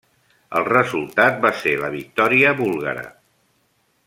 El resultat va ser la victòria búlgara.